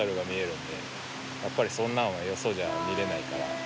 やっぱりそんなんはよそじゃ見れないから。